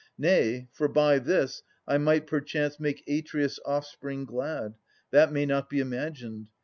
Nay, for by this I might perchance make Atreus' offspring glad. That may not be imagined.